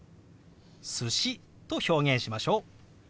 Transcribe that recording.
「寿司」と表現しましょう。